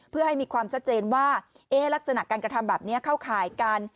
เพื่อให้มีความชัดเจนว่าลักษณะการกระทำแบบนี้เข้าข่ายกัน